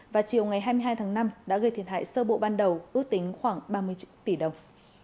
và chiều ngày hai mươi hai tháng năm đã gây thiệt hại sơ bộ ban đầu ước tính khoảng ba mươi tỷ đồng